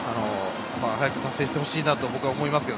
早く達成してほしいと僕は思います。